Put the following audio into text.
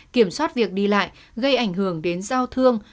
kiểm soát việc đi lại gây ảnh hưởng đến giao thương